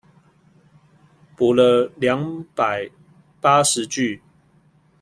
補了兩百八十句